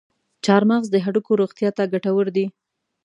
چارمغز د هډوکو روغتیا ته ګټور دی.